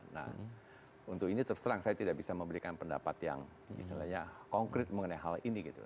nah untuk ini terus terang saya tidak bisa memberikan pendapat yang istilahnya konkret mengenai hal ini gitu